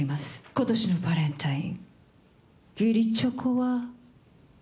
今年のバレンタイン義理チョコは。